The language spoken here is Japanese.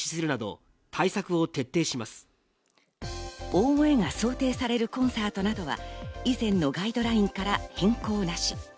大声が想定されるコンサートなどは以前のガイドラインから変更なし。